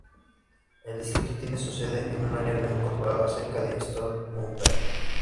El distrito tiene su sede en un área no incorporada cerca de Stone Mountain.